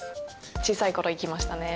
小さい頃行きましたね。